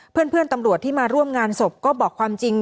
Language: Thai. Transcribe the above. เพื่อนตำรวจที่มาร่วมงานศพก็บอกความจริง